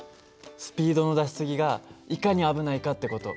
スピードの出し過ぎがいかに危ないかって事。